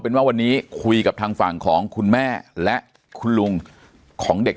เป็นว่าวันนี้คุยกับทางฝั่งของคุณแม่และคุณลุงของเด็ก